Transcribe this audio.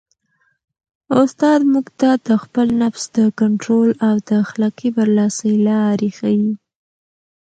استاد موږ ته د خپل نفس د کنټرول او د اخلاقي برلاسۍ لارې ښيي.